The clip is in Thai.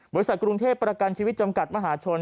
กรุงเทพประกันชีวิตจำกัดมหาชน